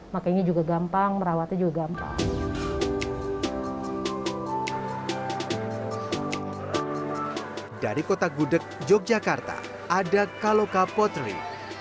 makanya juga gampang merawatnya juga gampang dari kota gudeg yogyakarta ada kalauka potri